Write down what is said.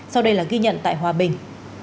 sau đây là ghi nhận tại hòa bình